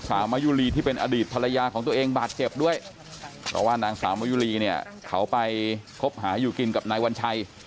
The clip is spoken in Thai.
มายุรีที่เป็นอดีตภรรยาของตัวเองบาดเจ็บด้วยเพราะว่านางสาวมะยุรีเนี่ยเขาไปคบหาอยู่กินกับนายวัญชัย